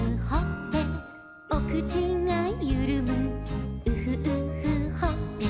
「おくちがゆるむウフウフほっぺ」